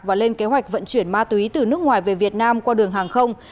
và lên kế hoạch vận chuyển ma túy từ nước ngoài về việt nam qua đường hàng không